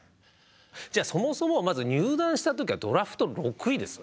そもそもまず入団した時はドラフト６位ですよ。